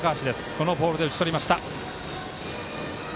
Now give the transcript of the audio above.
そのボールで打ち取りました。